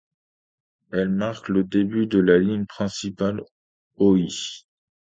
Elle marque le début de la ligne principale Hōhi.